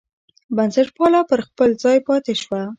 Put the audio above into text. بنسټپالنه پر خپل ځای پاتې شوه.